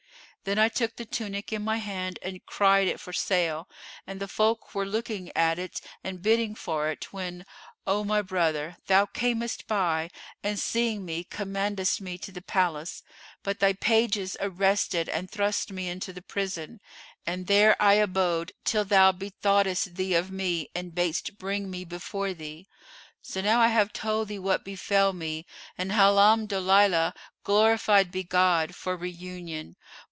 Then I took the tunic in my hand and cried it for sale, and the folk were looking at it and bidding for it, when, O my brother, thou camest by and seeing me commandedst me to the palace; but thy pages arrested and thrust me into the prison and there I abode till thou bethoughtest thee of me and badest bring me before thee. So now I have told thee what befel me, and Alhamdolillah—Glorified be God—for reunion!"